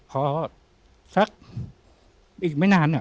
พอสักอีกไม่นาน